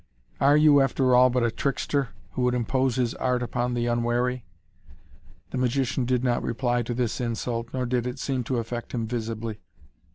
"Are you, after all, but a trickster who would impose his art upon the unwary?" The magician did not reply to this insult, nor did it seem to affect him visibly.